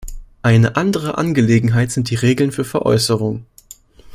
Eine andere Angelegenheit sind die Regeln für Veräußerungen.